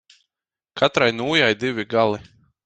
Katrai nūjai divi gali.